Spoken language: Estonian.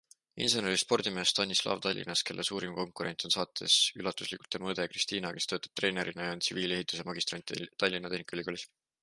Insenerist spordimees Stanislav Tallinnast, kelle suurim konkurent on saates üllatuslikult tema õde Kristiina, kes töötab treenerina ja on tsiviilehituse magistrant Tallinna Tehnikaülikoolis.